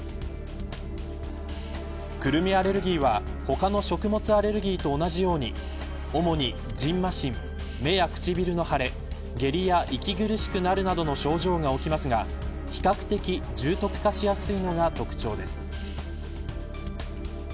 クルミアレルギーは他の食物アレルギーと同じように主に、じんましん目や唇の腫れ下痢や、息苦しくなるなどの症状が起きますが比較的重篤化しやすいのが特徴です。